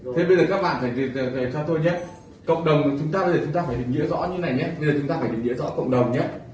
thế bây giờ các bạn phải cho tôi nhé cộng đồng chúng ta bây giờ chúng ta phải định nghĩa rõ như này nhé bây giờ chúng ta phải định nghĩa rõ cộng đồng nhé